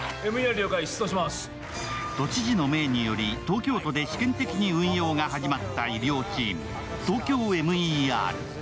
都知事の名により東京都で試験的に運用が始まったＴＯＫＹＯＭＥＲ。